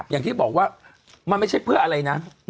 อย่างที่บอกว่ามันไม่ใช่เพื่ออะไรนะ